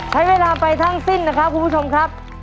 ใช้เวลาไปทั้งสิ้นนะครับคุณผู้ชมครับ